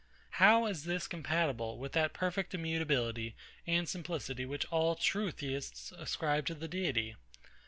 How is this compatible with that perfect immutability and simplicity which all true Theists ascribe to the Deity?